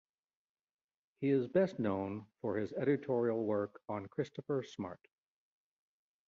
He is best known for his editorial work on Christopher Smart.